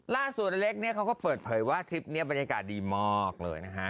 อเล็กเนี่ยเขาก็เปิดเผยว่าทริปนี้บรรยากาศดีมากเลยนะฮะ